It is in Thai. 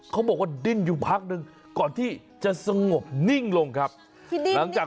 เขาบอกว่าดิ้นอยู่พักหนึ่งก่อนที่จะสงบนิ่งลงครับหลังจาก